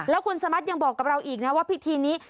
แล้วคุณสมัสยังบอกกับเราอีกนะว่าพิธีนี้